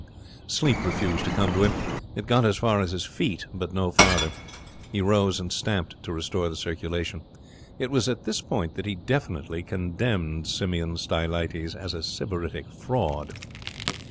Sleep refused to come to him. It got as far as his feet, but no farther. He rose and stamped to restore the circulation. It was at this point that he definitely condemned Simeon Stylites as a sybaritic fraud.